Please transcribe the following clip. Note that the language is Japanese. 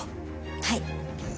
はい。